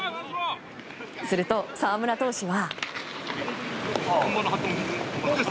すると、澤村投手は。